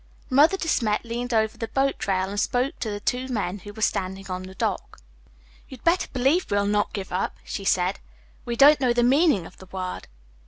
Mother De Smet leaned over the boatrail and spoke to the two men who were standing on the dock. "You'd better believe we'll not give up," she said. "We don't know the meaning of the word."